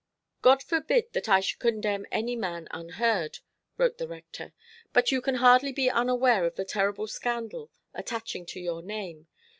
"God forbid that I should condemn any man unheard," wrote the Rector; "but you can hardly be unaware of the terrible scandal attaching to your name.